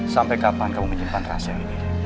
sampai kapan kamu menyimpan rase ini